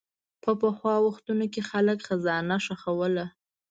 په پخوا وختونو کې خلک خزانه ښخوله.